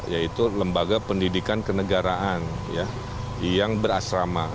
yaitu lembaga pendidikan kenegaraan yang berasrama